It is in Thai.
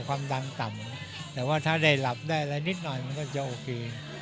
ความดันต่ำแต่ว่าถ้าได้หลับได้อะไรนิดหน่อยมันก็จะโอเค